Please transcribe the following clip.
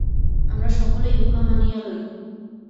আমরা সকলেই উহা মানিয়া লই।